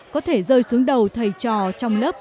có thể rơi xuống đầu thầy trò trong lớp